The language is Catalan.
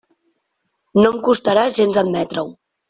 No em costarà gens admetre-ho.